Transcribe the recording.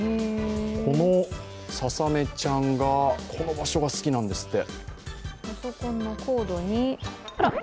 このささめちゃんが、この場所が好きなんですって。